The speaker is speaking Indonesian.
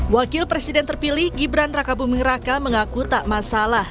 wakil presiden terpilih gibran raka buming raka mengaku tak masalah